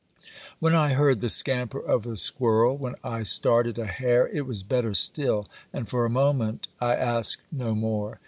When I heard the scamper of a squirrel, when I started a hare, it was better still, and for a moment I asked no more.